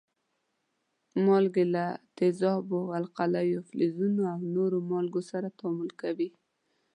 مالګې له تیزابو، القلیو، فلزونو او نورو مالګو سره تعامل کوي.